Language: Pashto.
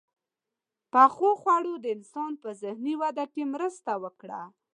• پخو خوړو د انسان په ذهني وده کې مرسته وکړه.